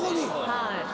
はい。